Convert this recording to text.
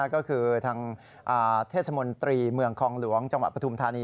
ก็คือทางเทศมนตรีเมืองคลองหลวงจังหวัดปฐุมธานี